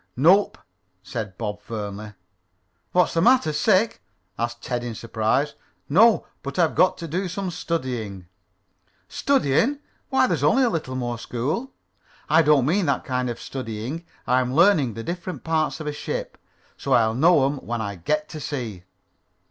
"Nope," said Bob firmly. "What's the matter? Sick?" asked Ted in surprise. "No, but I've got to do some studying." "Studying? Why, there's only a little more school." "I don't mean that kind of studying. I'm learning the different parts of a ship, so I'll know 'em when I get to sea."